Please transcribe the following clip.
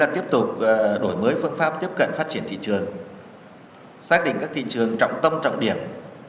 tiếp tục đổi mới phương pháp tiếp cận phát triển thị trường xác định các thị trường trọng tâm trọng điểm